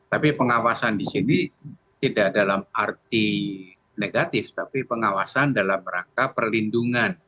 tapi pengawasan di sini tidak dalam arti negatif tapi pengawasan dalam rangka perlindungan